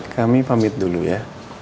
kami pamit dulu ya